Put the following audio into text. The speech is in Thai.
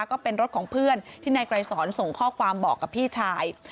ก็เป็นรถของเพื่อนที่นายไกรสอนส่งข้อความบอกกับพี่ชาย